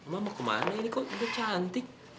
mama kemana ini kok udah cantik